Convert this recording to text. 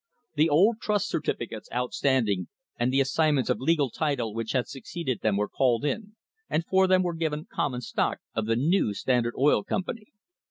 The old trust certificates outstanding and the assignments of legal title which had succeeded them were called in, and for them were given common stock of the new Standard Oil Company.